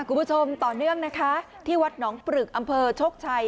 คุณผู้ชมต่อเนื่องนะคะที่วัดหนองปรึกอำเภอโชคชัย